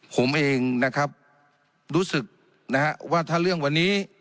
ผมเองนะครับรู้สึกนะฮะว่าถ้าเรื่องวันนี้